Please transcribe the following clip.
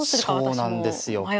そうなんですよ。